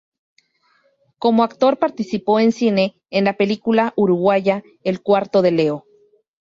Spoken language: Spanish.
Como actor participó en cine en la película uruguaya "El cuarto de Leo".